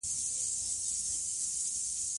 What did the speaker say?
برعکس سهار وختي ويښه شوم.